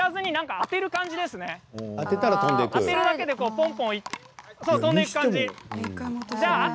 当てるだけでポンポン飛んでいく感じ。